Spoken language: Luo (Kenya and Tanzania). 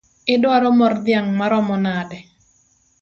Idwaro mor dhiang’ maromo nade?